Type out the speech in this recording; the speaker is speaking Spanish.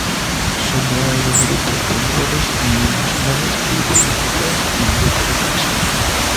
Solo hay dos grupos puntuales unidimensionales, el grupo identidad y el grupo reflexión.